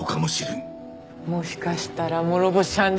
もしかしたら諸星判事も。